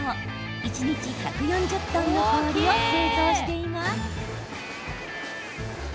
一日１４０トンの氷を製造しています。